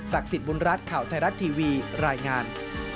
สิทธิ์บุญรัฐข่าวไทยรัฐทีวีรายงาน